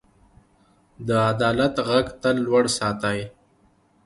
د عدالت غږ تل لوړ ساتئ.